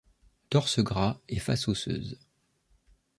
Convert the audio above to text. Torse gras et face osseuse.